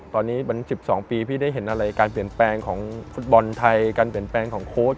ตอนนี้มัน๑๒ปีพี่ได้เห็นอะไรการเปลี่ยนแปลงของฟุตบอลไทยการเปลี่ยนแปลงของโค้ช